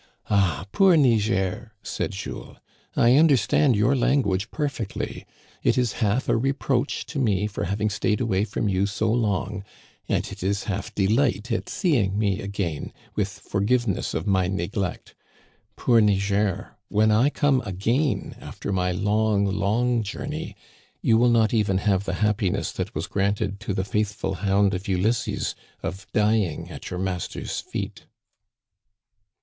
"Ah, poor Niger," said Jules, "I understand your language perfectly. It is half a reproach to me for hav ing stayed away from you so long, and it is half delight at seeing me again, with forgiveness of ray neglect. Poor Niger, when I come again after my long, long journey, you will not even have the happiness that was granted to the faithful hound of Ulysses, of dying at your mas ter's feet."